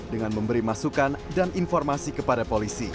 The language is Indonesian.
dengan memberi masukan dan informasi kepada polisi